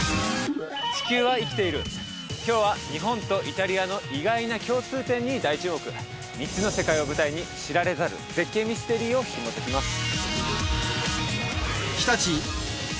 今日は日本とイタリアの意外な共通点に大注目３つの世界を舞台に知られざる絶景ミステリーをひもときます